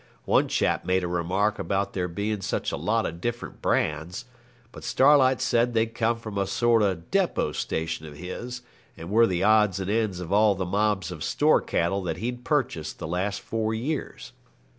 One chap made a remark about there being such a lot of different brands; but Starlight said they'd come from a sort of depot station of his, and were the odds and ends of all the mobs of store cattle that he'd purchased the last four years.